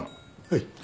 はい。